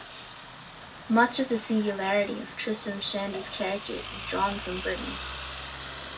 Much of the singularity of "Tristram Shandy's" characters is drawn from Burton.